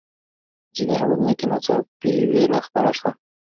په ځینو هېوادونو کې ناڅاپي ویره خپره شوه.